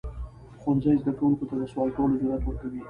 ښوونځی زده کوونکو ته د سوال کولو جرئت ورکوي.